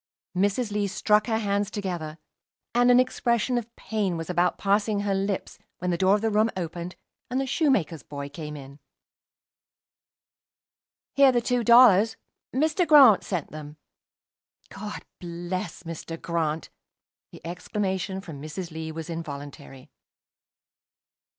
Mrs. Lee struck her hands together, and an expression of pain was about passing her lips, when the door of the room opened, and the shoemaker's boy came in. "Here are two dollars. Mr. Grant sent them." "God bless Mr. Grant!" The exclamation from Mrs. Lee was involuntary.